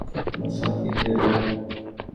আমার সঞ্চয় কীসের জন্য?